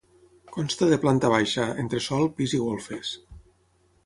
Consta de planta baixa, entresòl, pis i golfes.